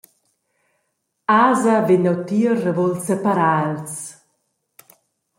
Asa vegn neutier e vul separar els.